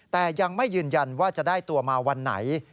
แต่ยังไม่ยืนยันว่าจะได้ตัวมาวันไหน